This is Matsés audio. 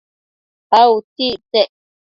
a utsictsec?